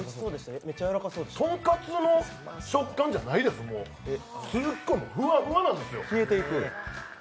豚カツの食感じゃないです、もうすっごいふわふわなんですよ。